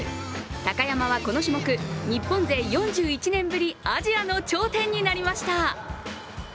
高山はこの種目、日本勢４１年ぶり、アジアの頂点になりました。